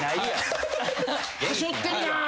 はしょってるな。